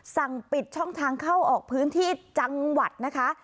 สั่งปิดช่องทางเข้าออกพื้นที่จังหวัดนะคะ